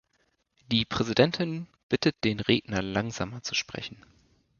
Die Präsidentin bittet den Redner, langsamer zu sprechen.